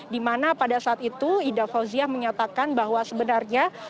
di mana pada saat itu ida fauziah menyatakan bahwa sebenarnya